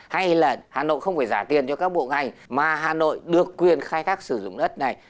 hay là hà nội không phải giả tiền cho các bộ ngành mà hà nội được quyền khai thác sử dụng đất này